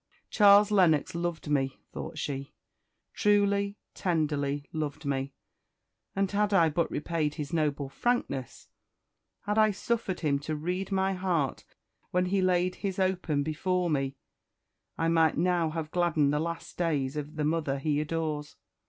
"Charles Lennox loved me," thought she, "truly, tenderly loved me; and had I but repaid his noble frankness had I suffered him to read my heart when he laid his open before me, I might now have gladdened the last days of the mother he adores.